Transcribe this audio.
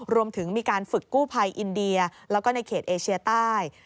รวมถึงมีการฝึกกู้ภัยอินเดียแล้วก็ในเขตเอเชียใต้